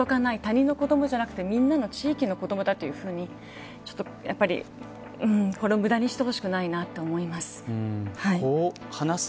他人の子どもじゃなく皆の地域の子どもだというふうにこれを無駄にしてほしくないと思います。